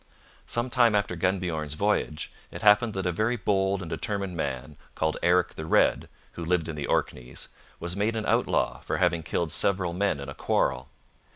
Some time after Gunnbjorn's voyage it happened that a very bold and determined man called Eric the Red, who lived in the Orkneys, was made an outlaw for having killed several men in a quarrel.